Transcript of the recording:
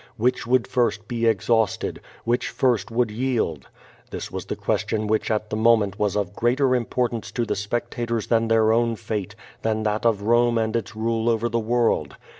Which would first be exhausted? Which first would yield? This was the question which at the moment was of greater importance to the spectators than their o^^ti fate, than that of Rome and its rule over the world.